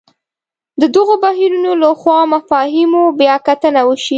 د دغو بهیرونو له خوا مفاهیمو بیا کتنه وشي.